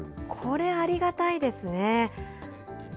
これ、ありがたいですね。